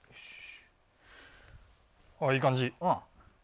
いい感じ。